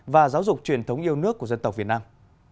và giáo dục truyền thống yêu nước của dân tộc việt nam